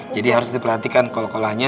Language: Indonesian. jadi harus diperhatikan kol kolahnya